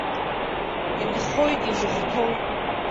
Инхоит изыхәҭоу.